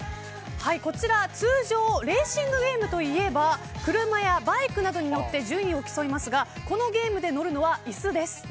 こちら通常レーシングゲームといえば車やバイクなどに乗って順位を競いますがこのゲームで乗るのは椅子です。